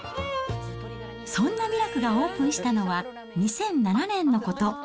そんな味楽がオープンしたのは、２００７年のこと。